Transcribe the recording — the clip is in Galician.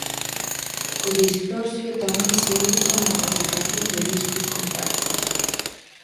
O disprosio tamén se usa na fabricación de discos compactos.